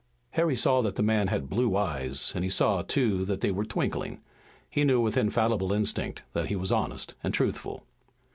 Harry saw that the man had blue eyes and he saw, too, that they were twinkling. He knew with infallible instinct that he was honest and truthful.